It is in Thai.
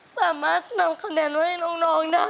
สามารถนำคะแนนไว้ให้น้องได้